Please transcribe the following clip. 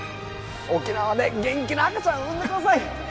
沖縄で元気な赤ちゃん産んでください